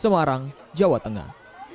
marang jawa tengah